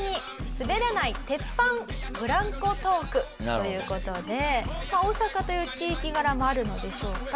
スベらない鉄板「ブランコトーク」という事でまあ大阪という地域柄もあるのでしょうか。